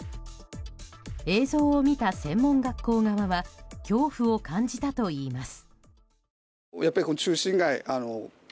映像を見た専門学校側は恐怖を感じたといいます。